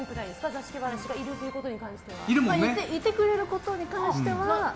座敷わらしがいるということにいてくれることに関しては。